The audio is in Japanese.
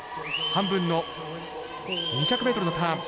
半分の２００ｍのターン。